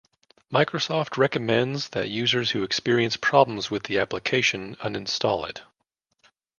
Microsoft recommends that users who experience problems with the application uninstall it.